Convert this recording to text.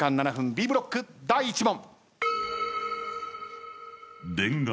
Ｂブロック第１問。